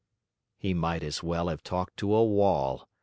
He might as well have talked to a wall.